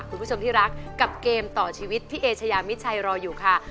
คุณผู้ชมที่รักกับเกมต่อชีวิตพี่เอชายามิดชัยรออยู่ค่ะ